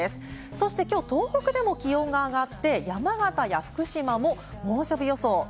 そしてきょう東北でも気温が上がって、山形や福島も猛暑日予想。